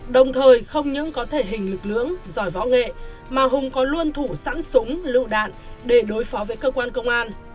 đồng thời không những có thể hình lực lượng giỏi võ nghệ mà hùng có luôn thủ sẵn súng lựu đạn để đối phó với cơ quan công an